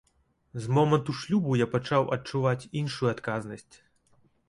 З моманту шлюбу я пачаў адчуваць іншую адказнасць.